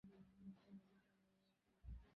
দ্যাখোই না কী করে চলে?